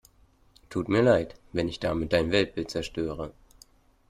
Tut mir leid, wenn ich damit dein Weltbild zerstöre.